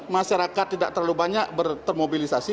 masyarakat tidak terlalu banyak termobilisasi